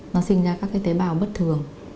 nó sinh ra các cái tế bào bất thường